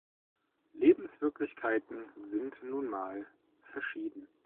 Lebenswirklichkeiten sind nun mal verschieden.